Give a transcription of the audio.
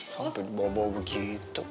sampai bau bau begitu